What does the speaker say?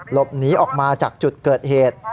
หลบหนีออกมาจากจุดเกิดเหตุ